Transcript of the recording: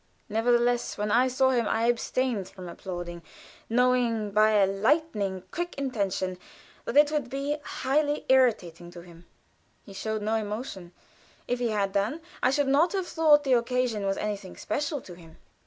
Nevertheless, when I saw him I abstained from applauding, knowing, by a lightning quick intuition, that it would be highly irritating to him. He showed no emotion; if he had done, I should not have thought the occasion was anything special to him.